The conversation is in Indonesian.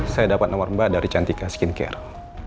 saya dapat nomor mbak dari cantika skincare